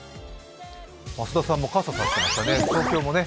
増田さんも傘を差していましたね。